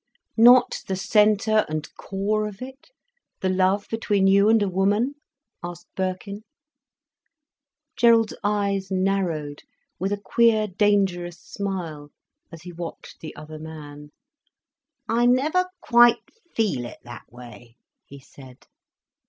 "Not the centre and core of it—the love between you and a woman?" asked Birkin. Gerald's eyes narrowed with a queer dangerous smile as he watched the other man. "I never quite feel it that way," he said.